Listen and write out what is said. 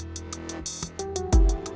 eh mendingan sini bantuin gue